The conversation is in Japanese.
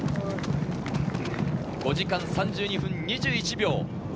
５時間３２分２１秒。